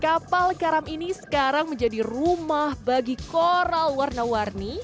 kapal karam ini sekarang menjadi rumah bagi koral warna warni